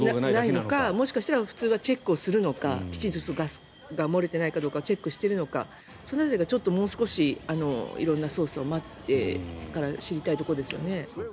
ないのか、もしかしたら普通はチェックをするのかきちんとガスが漏れてないかどうかチェックをしているのかその辺りが、もう少し色んな捜査を待ってから知りたいところですよね。